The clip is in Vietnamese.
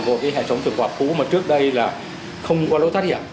của cái hẹn sống trường vọc cũ mà trước đây là không có lối thoát hiểm